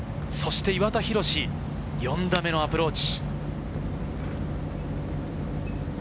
岩田寛、４打目のアプローチ。